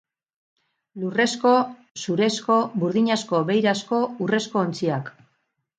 Lurrezko, zurezko, burdinazko, beirazko, urrezko ontziak.